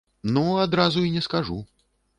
Ну, адразу і не скажу.